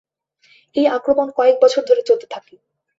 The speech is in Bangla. এই আক্রমণ কয়েক বছর ধরে চলতে থাকে।